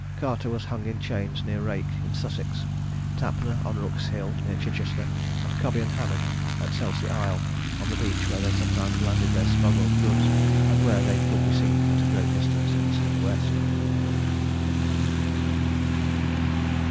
Carter was hung in chains near Rake, in Sussex; Tapner, on Rook's Hill, near Chichester; and Cobby and Hammond, at Cesley Isle, on the beach where they sometimes landed their smuggled goods, and where they could be seen at a great distance east and west.